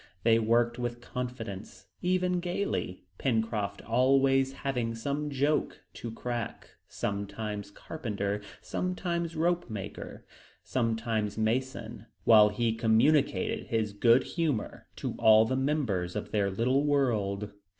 They worked with confidence, even gaily, Pencroft always having some joke to crack, sometimes carpenter, sometimes rope maker, sometimes mason, while he communicated his good humor to all the members of their little world.